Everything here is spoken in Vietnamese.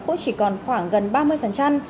cũng chỉ còn khoảng gần ba mươi